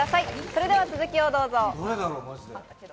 それでは続きをどうぞ。